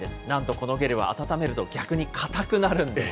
このゲルは温めると逆に硬くなるんです。